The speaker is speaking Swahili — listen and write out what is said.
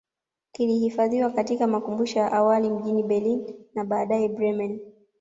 Kilihifadhiwa katika makumbusho ya awali mjini Berlin na baadae Bremen